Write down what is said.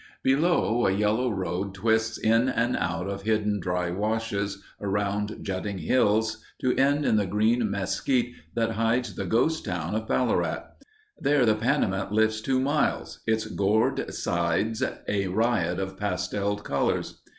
Below, a yellow road twists in and out of hidden dry washes, around jutting hills to end in the green mesquite that hides the ghost town of Ballarat. There the Panamint lifts two miles—its gored sides a riot of pastelled colors.